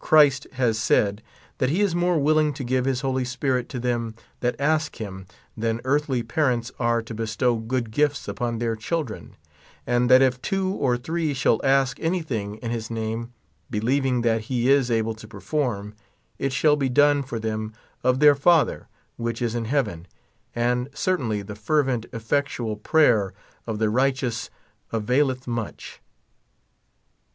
Christ has sai« that he is more willing to give his Holy Spirit to them that ask him, than earthly parents are to bestow good gifts upon their children ; and that if two or three shall ask anything in his name, be lieving that he is able to perform, it shall be done for them of their Father which is in heaven ; and certainly the fers'ent, effectual prayer of the rigliteous availetli much.